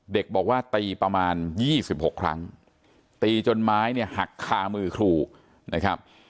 เด็กบอกว่าตีประมาณ๒๖ครั้งตีจนไม้เนี่ยหักคามือครูนะครับ